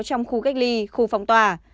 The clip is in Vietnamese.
trong khu cách ly khu phòng tòa